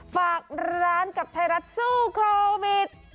ฝากร้านกับไทยรัฐสู้โควิด